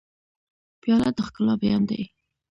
پیاله د ښکلا بیان دی.